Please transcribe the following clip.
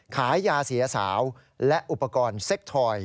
ขายยาเสียสาวและอุปกรณ์เซ็กทอย